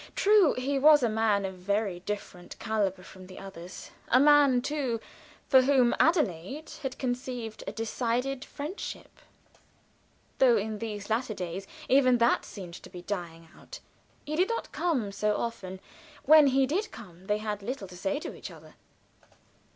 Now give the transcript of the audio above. True, he was a man of very different caliber from the others; a man, too, for whom Adelaide had conceived a decided friendship, though in these latter days even that seemed to be dying out. He did not come so often; when he did come they had little to say to each other.